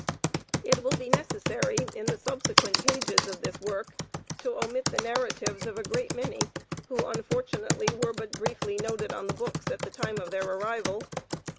It will be necessary, in the subsequent pages of this work, to omit the narratives of a great many who, unfortunately, were but briefly noted on the books at the time of their arrival.